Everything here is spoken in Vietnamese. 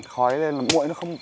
khói lên là mũi nó không